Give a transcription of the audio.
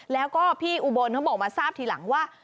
แล้วก็พี่อุบลเขาบอกมาทราบทีหลังว่า